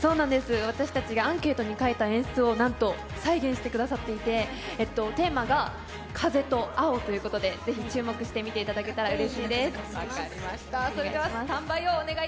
私たちがアンケートに書いた演出を再現していただいていてテーマが、「風と青」ということで、是非注目して見ていただければうれしいです。